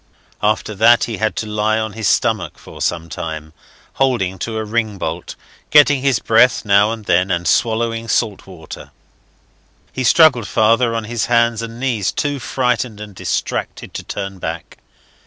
After that he had to lie on his stomach for some time, holding to a ring bolt, getting his breath now and then, and swallowing salt water. He struggled farther on his hands and knees, too frightened and distracted to turn back.